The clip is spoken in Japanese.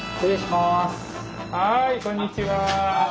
はいこんにちは。